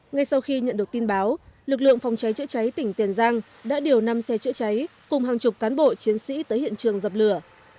ngay sau khi nhận được tin báo lực lượng phòng cháy chữa cháy tỉnh tiền giang đã điều năm xe chữa cháy cùng hàng chục cán bộ chiến sĩ tới hiện trường dập lửa